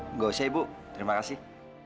enggak usah ibu terima kasih